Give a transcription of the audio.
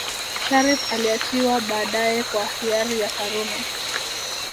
Shariff aliachiwa baadae kwa hiari ya Karume